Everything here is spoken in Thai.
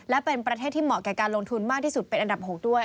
และเป็นประเทศที่เหมาะแก่การลงทุนมากที่สุดเป็นอันดับ๖ด้วย